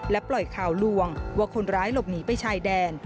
ปล่อยข่าวลวงว่าคนร้ายหลบหนีไปชายแดน